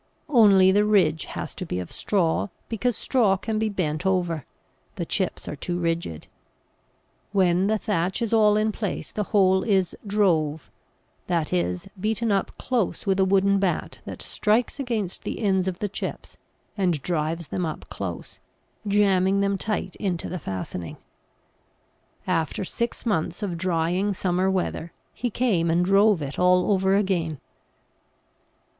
Only the ridge has to be of straw, because straw can be bent over; the chips are too rigid. When the thatch is all in place the whole is "drove," that is, beaten up close with a wooden bat that strikes against the ends of the chips and drives them up close, jamming them tight into the fastening. After six months of drying summer weather he came and drove it all over again.